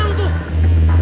wah diam tuh